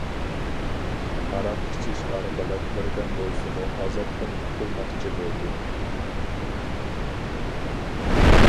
ھاراق ئىچىش ئارقىلىق بىردەم بولسىمۇ ئازابتىن قۇتۇلماقچى بولدى.